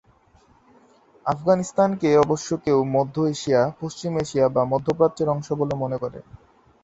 আফগানিস্তানকে অবশ্য কেউ কেউ মধ্য এশিয়া, পশ্চিম এশিয়া বা মধ্যপ্রাচ্যের অংশ বলে মনে করে।